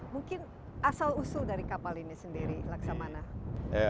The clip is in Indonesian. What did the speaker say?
mungkin asal usul dari kapal ini sendiri laksamana